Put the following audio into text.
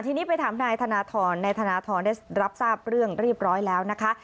ทีนี้ไปถามนายธนทรนายธนทรได้รับทราบเรื่องเรียบร้อยแล้วนะคะ